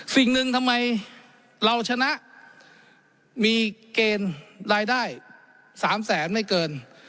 สิ่งหนึ่งทำไมเราชนะมีเกณฑ์รายได้๓แสนไม่เกิน